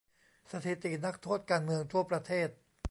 สถิตินักโทษการเมืองทั่วประเทศ